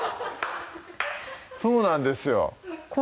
そうなんですよ